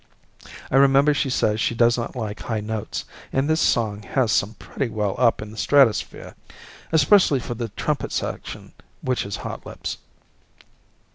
I remember she says she does not like high notes, and this song has some pretty well up in the stratosphere, especially for the trumpet section, which is Hotlips.